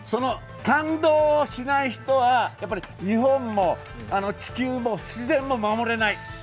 感動しない人は日本も地球も自然も守れない。